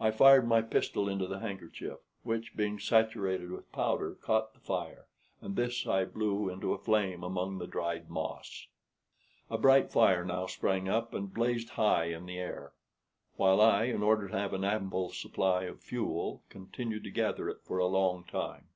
I fired my pistol into the handkerchief, which, being saturated with powder, caught the fire, and this I blew into a flame among the dried moss. A bright fire now sprang up and blazed high in the air; while I, in order to have an ample supply of fuel, continued to gather it for a long time.